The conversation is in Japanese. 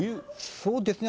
そうですね。